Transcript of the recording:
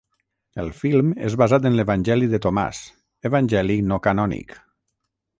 El film és basat en l'Evangeli de Tomàs, evangeli no canònic.